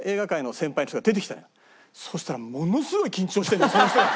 そしたらものすごい緊張してるのその人が。